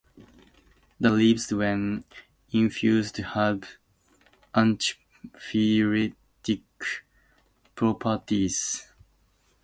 The leaves when infused have antipyretic properties.